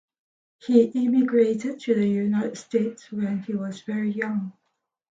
He emigrated to the United States when he was very young.